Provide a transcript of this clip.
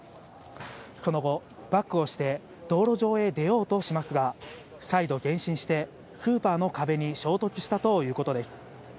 その後、バックをして道路上へ出ようとしますが、再度前進して、スーパーの壁に衝突したということです。